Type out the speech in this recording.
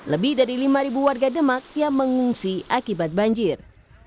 lebih dari lima warga demak yang mengungsi akibat banjir